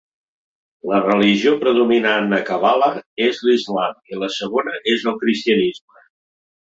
La religió predominant a Kabala és l'islam i la segona és el cristianisme.